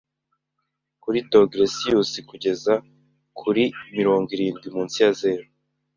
kuri dogere celiciyusi kugeza kuri mirongo irindwi munsi ya zeru